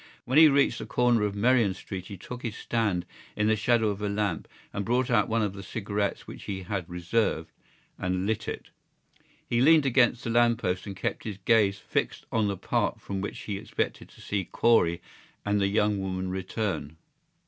When he reached the corner of Merrion Street he took his stand in the shadow of a lamp and brought out one of the cigarettes which he had reserved and lit it. He leaned against the lamp post and kept his gaze fixed on the part from which he expected to see Corley and the young woman return.